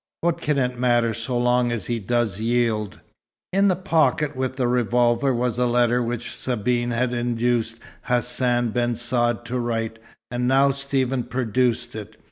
"What can it matter so long as he does yield?" In the pocket with the revolver was a letter which Sabine had induced Hassan ben Saad to write, and now Stephen produced it.